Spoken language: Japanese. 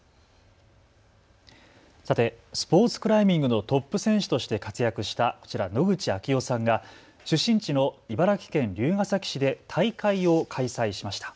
さて、スポーツクライミングのトップ選手として活躍したこちら、野口啓代さんが出身地の茨城県龍ケ崎市で大会を開催しました。